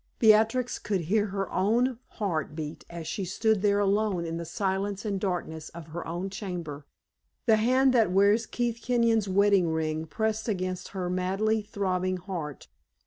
Beatrix could hear her own heart beat as she stood there alone in the silence and darkness of her own chamber, the hand that wears Keith Kenyon's wedding ring pressed against her madly throbbing heart.